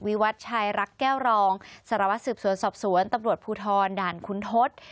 วัดชายรักแก้วรองสารวัตรสืบสวนสอบสวนตำรวจภูทรด่านคุณทศ